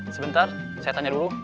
sebentar saya tanya dulu